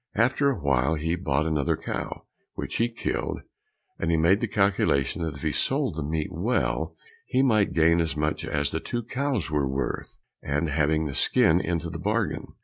After a while he bought another cow, which he killed, and he made the calculation that if he sold the meat well he might gain as much as the two cows were worth, and have the skin into the bargain.